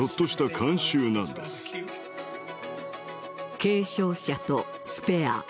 継承者とスペア。